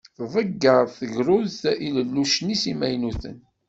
Tḍegger tegrudt ilellucen-is imaynuten.